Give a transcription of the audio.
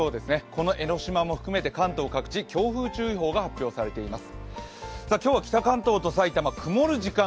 この江の島含めて関東各地強風注意報が発表されています。